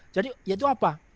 jadi itu apa